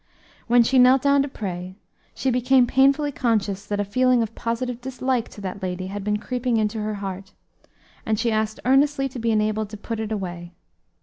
When she knelt down to pray, she became painfully conscious that a feeling of positive dislike to that lady had been creeping into her heart, and she asked earnestly to be enabled to put it away.